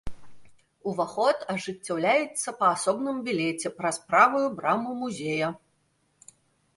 Уваход ажыццяўляецца па асобным білеце праз правую браму музея!!!